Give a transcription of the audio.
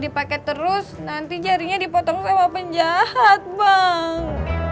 dipakai terus nanti jarinya dipotong sama penjahat bang